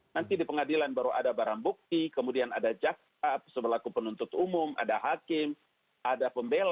nanti di pengadilan baru ada barang bukti kemudian ada jaksa seberlaku penuntut umum ada hakim ada pembela